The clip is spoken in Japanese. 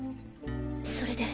それで。